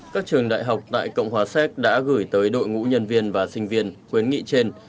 các trường đại học tại cộng hòa séc đã gửi tới đội ngũ nhân viên và sinh viên khuyến nghị trên